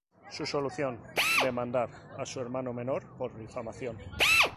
Su solución: demandar a su hermano menor por difamación.